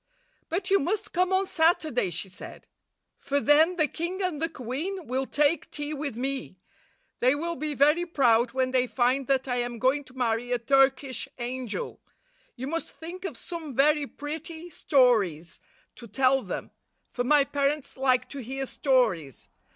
"But you must come on Saturday," she said; 193 ''for then the king and the queen will take tea with me. They will be very proud when they find that I am going to marry a Turkish angel. You must think of some very pretty stories to tell them, for my parents like to hear stories.